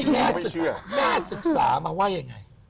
แม่ศึกษามาว่ายังไง